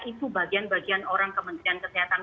itu bagian bagian orang kementerian kesehatan